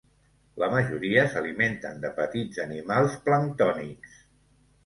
La majoria s'alimenten de petits animals planctònics.